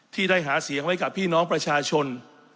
ที่ได้หาเสียงไว้กับพี่น้องประชาชน